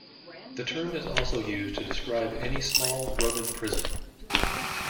The term is also used to describe any small Roman prison.